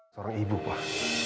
tore ibu pak